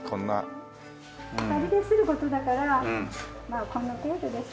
二人でする事だからまあこの程度ですよ。